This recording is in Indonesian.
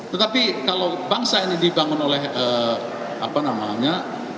tetapi kalau bangsa ini dibangun oleh apa namanya